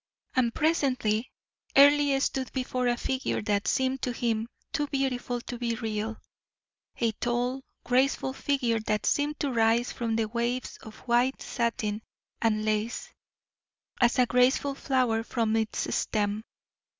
And presently, Earle stood before a figure that seemed to him too beautiful to be real a tall, graceful figure that seemed to rise from the waves of white satin and lace as a graceful flower from its stem.